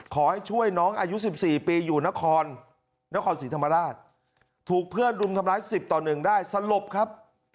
ขอให้ช่วยน้องอายุ๑๔ปีอยู่นครนครศรีธรรมราชถูกเพื่อนรุมทำร้าย๑๐ต่อ๑ได้สลบครับ